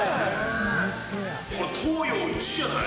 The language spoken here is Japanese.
これ、東洋一じゃない？